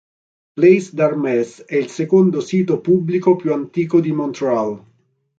Place d'Armes è il secondo sito pubblico più antico di Montréal.